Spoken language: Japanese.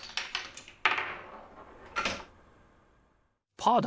パーだ！